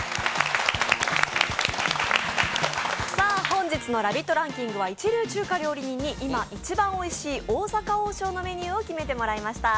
本日のラヴィットランキングは一流中華料理人に今、一番おいしい大阪王将のメニューを決めてもらいました。